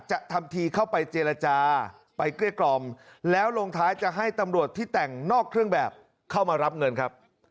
ทำทีเข้าไปเจรจาไปเกลี้ยกล่อมแล้วลงท้ายจะให้ตำรวจที่แต่งนอกเครื่องแบบเข้ามารับเงินครับ